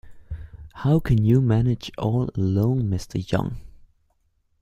How can you manage all alone, Mr Young.